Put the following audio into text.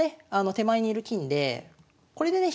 手前に居る金でこれでね